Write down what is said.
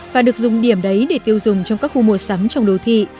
và được dùng điểm đấy để tiêu dùng trong các khu mua sắm trong đô thị